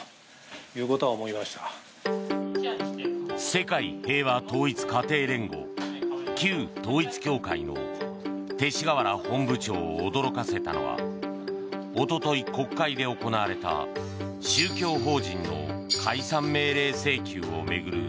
世界平和統一家庭連合旧統一教会の勅使河原本部長を驚かせたのは一昨日、国会で行われた宗教法人の解散命令請求を巡る